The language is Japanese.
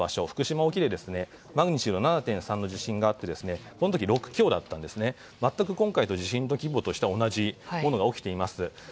福島沖でマグニチュード７．３の地震があってその時は６強だったんですが全く今回と地震の規模としては同じものが起きています。